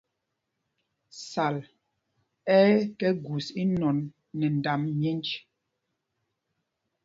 Sal ɛ tɔ gus inɔn nɛ ndam myēnj.